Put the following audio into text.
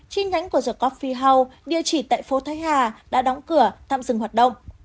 chi nhánh của the cophie house địa chỉ tại phố thái hà đã đóng cửa tạm dừng hoạt động